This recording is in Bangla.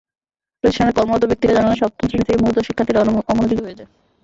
প্রতিষ্ঠানে কর্মরত ব্যক্তিরা জানালেন, সপ্তম শ্রেণি থেকে মূলত শিক্ষার্থীরা অমনোযোগী হয়ে যায়।